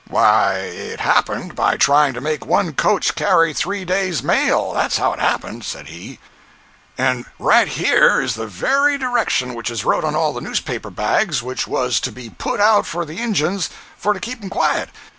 "Why, it happened by trying to make one coach carry three days' mail—that's how it happened," said he. "And right here is the very direction which is wrote on all the newspaper bags which was to be put out for the Injuns for to keep 'em quiet.